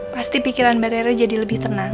pasti pikiran mbak rera jadi lebih tenang